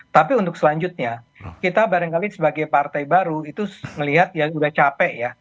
tapi untuk selanjutnya kita barangkali sebagai partai baru itu melihat ya sudah capek ya